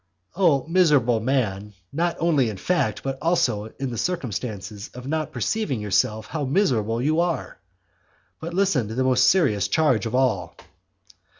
XVII. Oh miserable man, not only in fact, but also in the circumstance of not perceiving yourself how miserable you are! But listen to the most serious charge of all.